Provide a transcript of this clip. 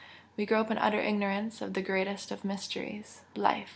We grope in utter ignorance of the greatest of mysteries Life!